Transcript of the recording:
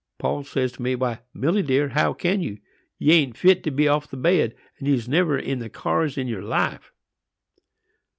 "Paul says to me, 'Why, Milly dear, how can you? Ye an't fit to be off the bed, and ye's never in the cars in your life.